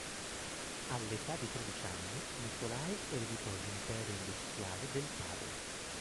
All'età di tredici anni, Nikolaj ereditò l'impero industriale del padre.